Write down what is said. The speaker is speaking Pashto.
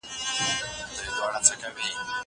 هغه څوک چي درس لولي بريالی کيږي!!